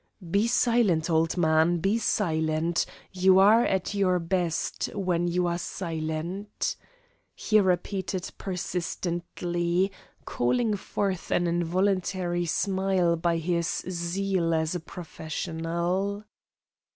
"Be silent, old man, be silent you are at your best when you are silent," he repeated persistently, calling forth an involuntary smile by his zeal as a professional.